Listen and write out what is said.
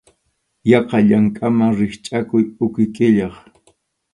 Yaqa llankaman rikchʼakuq uqi qʼillay.